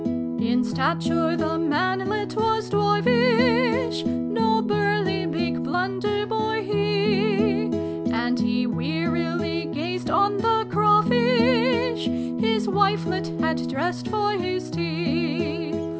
265 In stature the Manlet was dwarfish No burly big Blunderbore he : And he wearily gazed on tJie cra^vfish His Wifelet had dressed for his tea.